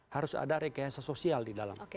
harus ada rekayasa sosial di dalam